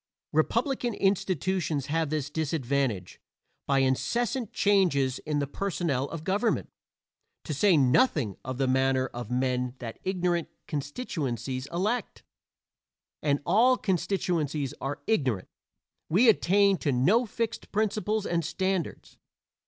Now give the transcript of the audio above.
Republican institutions have this disadvantage: by incessant changes in the personnel of government to say nothing of the manner of men that ignorant constituencies elect; and all constituencies are ignorant we attain to no fixed principles and standards.